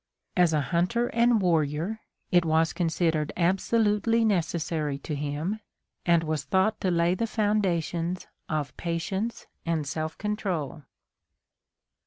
As a hunter and warrior it was considered absolutely necessary to him, and was thought to lay the foundations of patience and self control.